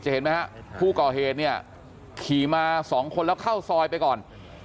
เห็นไหมฮะผู้ก่อเหตุเนี่ยขี่มาสองคนแล้วเข้าซอยไปก่อน